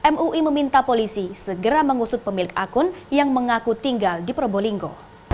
mui meminta polisi segera mengusut pemilik akun yang mengaku tinggal di probolinggo